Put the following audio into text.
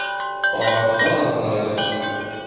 "Pałac do nas należy!"